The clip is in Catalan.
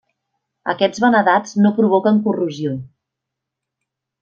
Aquests vanadats no provoquen corrosió.